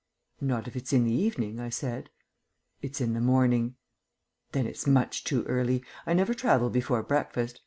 "Not if it's in the evening," I answered. "It's in the morning." "Then it's much too early. I never travel before breakfast.